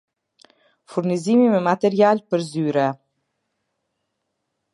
Furnizimi me material për zyre